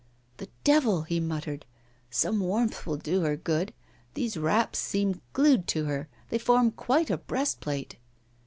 'The devil!' he muttered; 'some warmth will do her good. These wraps seem glued to her they form quite a breastplate.